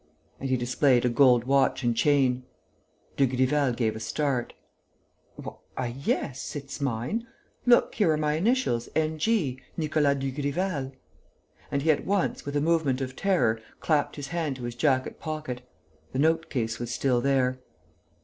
And he displayed a gold watch and chain. Dugrival gave a start: "Why, yes ... it's mine.... Look, here are my initials, N. G.: Nicolas Dugrival!" And he at once, with a movement of terror, clapped his hand to his jacket pocket. The note case was still there.